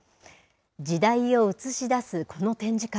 時代を映し出すこの展示会。